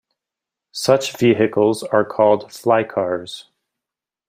Such vehicles are called fly-cars.